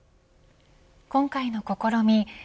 今回の試み